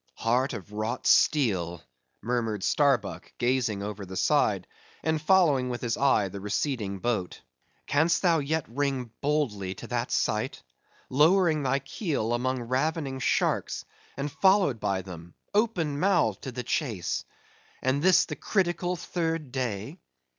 "Heart of wrought steel!" murmured Starbuck gazing over the side, and following with his eyes the receding boat—"canst thou yet ring boldly to that sight?—lowering thy keel among ravening sharks, and followed by them, open mouthed to the chase; and this the critical third day?